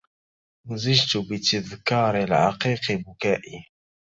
مزجت بتذكار العقيق بكائي